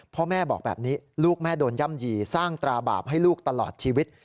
พ่อแม่บอกแบบนี้ลูกแม่โดนย่ำยี่สร้างตราบาปให้ลูกตลอดชีวิต